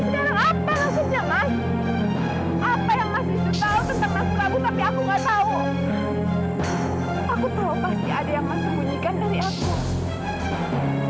aku tau pasti ada yang mas sembunyikan dari aku